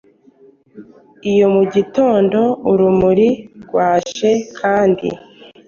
iyo mugitondo-urumuri rwaje kandi